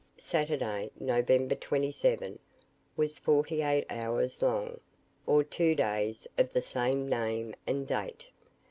Saturday, November 27, was forty eight hours long, or two days of the same name and date.